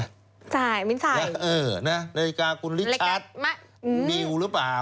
ไม่ใส่ไม่ใส่นาฬิกาคุณลิชัสมิวหรือเปล่า